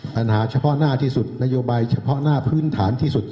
ปัญหาเฉพาะหน้าที่สุดนโยบายเฉพาะหน้าพื้นฐานที่สุด